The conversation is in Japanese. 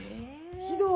ひどい！